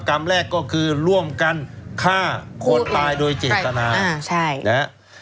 กรรมแรกก็คือร่วมกันฆ่าคนตายโดยเจตนาใช่นะฮะ